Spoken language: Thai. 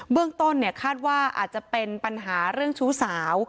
เรื่องต้นคาดว่าอาจจะเป็นปัญหาเรื่องชู้สาว